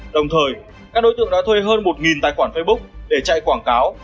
đồng thời các đối tượng đã thuê hơn một tài khoản facebook để chạy quảng cáo